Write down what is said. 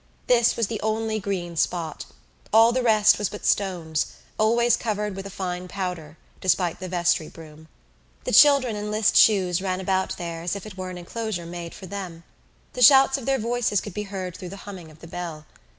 This was the only green spot. All the rest was but stones, always covered with a fine powder, despite the vestry broom. The children in list shoes ran about there as if it were an enclosure made for them. The shouts of their voices could be heard through the humming of the bell.